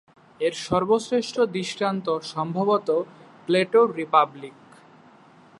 এর সর্বশ্রেষ্ঠ দৃষ্টান্ত সম্ভবত প্লেটোর রিপাবলিক।